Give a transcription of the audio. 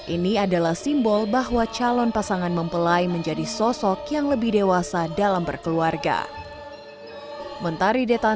ini adalah simbol bahwa calon pasangan mempelai menjadi sosok yang lebih dewasa dalam berkeluarga